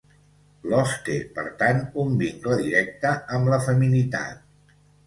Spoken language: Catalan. L’os té, per tant, un vincle directe amb la feminitat.